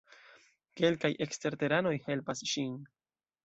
Kelkaj eksterteranoj helpas ŝin.